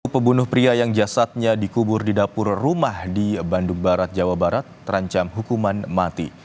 pembunuh pria yang jasadnya dikubur di dapur rumah di bandung barat jawa barat terancam hukuman mati